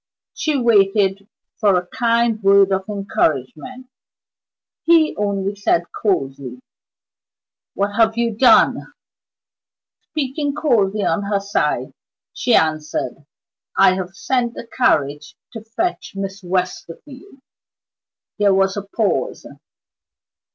She waited for a kind word of encouragement. He only said, coldly: "What have you done?" Speaking coldly on her side, she answered: "I have sent the carriage to fetch Miss Westerfield." There was a pause.